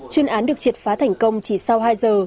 chuyên án được triệt phá thành công chỉ sau hai giờ